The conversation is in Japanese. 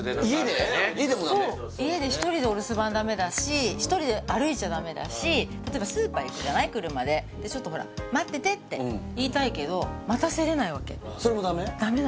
家で１人でお留守番ダメだし１人で歩いちゃダメだし例えばスーパー行くじゃない車でちょっとほら待っててって言いたいけどそれもダメ？